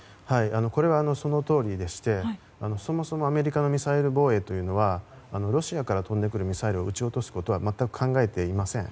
これはそのとおりでしてそもそもアメリカのミサイル防衛というのはロシアから飛んでくるミサイルを撃ち落とすことは全く考えていません。